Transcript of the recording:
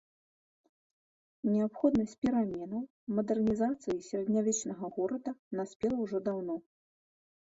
Неабходнасць пераменаў, мадэрнізацыі сярэднявечнага горада, наспела ўжо даўно.